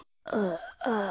ああ。